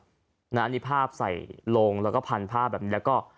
เสียชีวิตเลยนะครับน่ะอันนี้ภาพใส่ลงแล้วก็พันธุ์ภาพแบบนี้แล้วก็